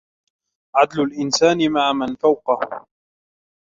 عَدْلُ الْإِنْسَانِ مَعَ مَنْ فَوْقَهُ